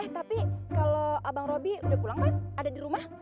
eh tapi kalo abang robi udah pulang kan ada di rumah